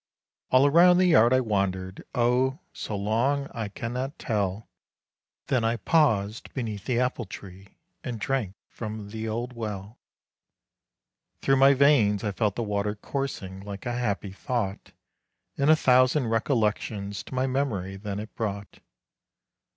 All around the yard I wandered, oh! so long I can not tell, Then I paused beneath the apple tree and drank from the old well. Through my veins I felt the water coursing like a happy thought, And a thousand recollections to my memory then it brought.